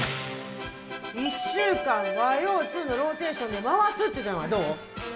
１週間、和洋中のローテーションで回すっていうのはどう？